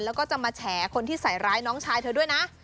แล้วก็จะมาแฉคนที่ใส่ร้ายน้องชายเธอด้วยนะ